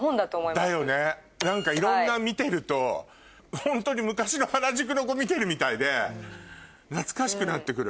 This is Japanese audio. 何かいろんな見てるとホントに昔の原宿の子見てるみたいで懐かしくなってくる。